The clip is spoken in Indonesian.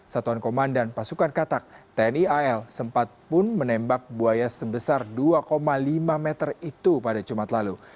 satuan komandan pasukan katak tni al sempat pun menembak buaya sebesar dua lima meter itu pada jumat lalu